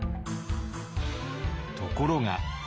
ところが。